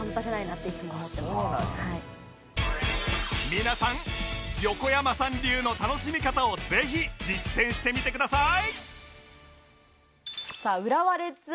皆さん横山さん流の楽しみ方をぜひ実践してみてくださいさあ浦和レッズ